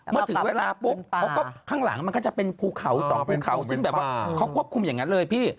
เมื่อถึงเวลาปุ๊บเขาก็ข้างหลังมันก็จะเป็นภูเขาสองภูเขาซึ่งแบบว่าเขาควบคุมอย่างนั้นเลยพี่